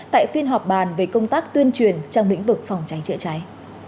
tại phiên họp bàn về công tác tuyên truyền trong lĩnh vực phòng cháy chữa cháy